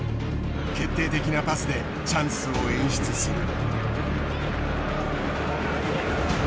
決定的なパスでチャンスを演出する。